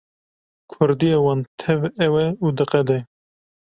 Kurdiya wan tev ew e û diqede.